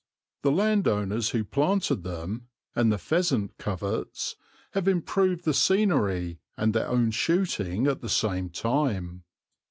The landowners who planted them, and the pheasant coverts, have improved the scenery and their own shooting at the same time.